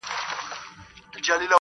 ماته مي شناختو د شهید پلټن کیسه کړې ده-